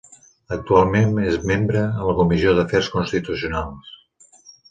Actualment, és membre en la Comissió d'Afers Constitucionals.